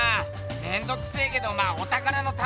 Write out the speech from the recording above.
めんどくせえけどまあおたからのためだ！